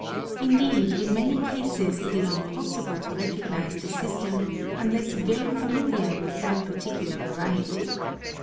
Indeed in many cases it is impossible to recognise the system unless very familiar with that particular variety.